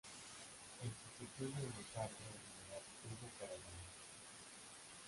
Le sustituyó en el cargo el general Ugo Cavallero.